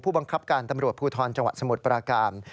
บังคับการตำรวจภูทรจังหวัดสมุทรปราการ